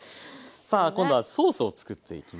さあ今度はソースを作っていきます。